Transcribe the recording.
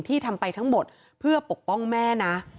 ทำไปทั้งหมดเพื่อปกป้องแม่นะ